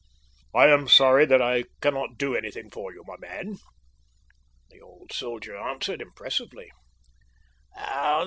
"I am sorry that I cannot do anything for you, my man," the old soldier answered impressively.